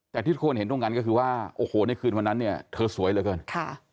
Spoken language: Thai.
แต่ที่คุณเห็นตรงนั้นก็คือว่าโอ้โหในคืนวันนั้นเนี่ยเธอสวยแล้วกัน